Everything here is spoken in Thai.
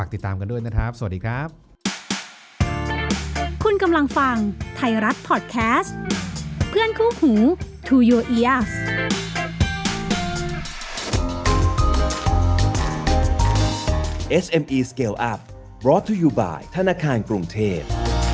ติดตามกันด้วยนะครับสวัสดีครับ